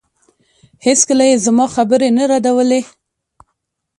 هېڅکله يې زما خبرې نه ردولې.